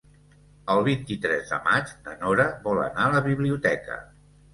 El vint-i-tres de maig na Nora vol anar a la biblioteca.